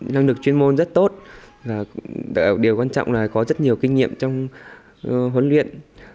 năng lực chuyên môn rất tốt và điều quan trọng là có rất nhiều kinh nghiệm trong huấn luyện